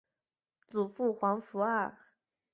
祖父黄福二。